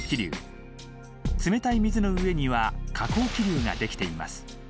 冷たい水の上には下降気流ができています。